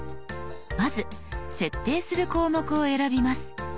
まず設定する項目を選びます。